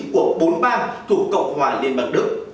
của bốn bang thuộc cộng hòa liên bắc đức